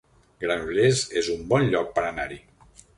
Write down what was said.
Granollers es un bon lloc per anar-hi